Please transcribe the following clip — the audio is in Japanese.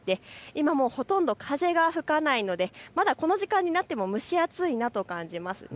今、ほとんど風が吹かないのでまだ、この時間になっても蒸し暑いなと感じます。